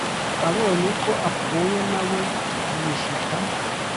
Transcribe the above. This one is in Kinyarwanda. Abonye ko apfuye na we yishita